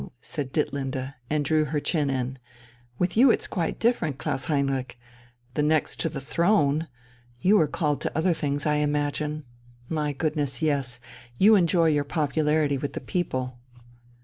said Ditlinde, and drew her chin in. "With you it's quite different, Klaus Heinrich! The next to the throne! You are called to other things, I imagine. My goodness, yes! You enjoy your popularity with the people...."